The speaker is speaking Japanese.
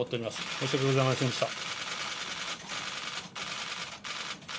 申し訳ございませんでした。